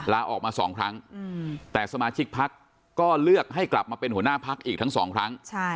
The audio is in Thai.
ลาออกมา๒ครั้งแต่สมาชิกพักก็เลือกให้กลับมาเป็นหัวหน้าพักอีกทั้งสองครั้ง